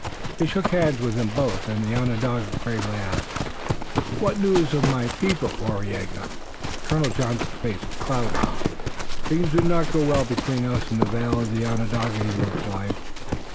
He shook hands with them both and the Onondaga gravely asked: "What news of my people, Waraiyageh?" Colonel Johnson's face clouded. "Things do not go well between us and the vale of Onondaga," he replied.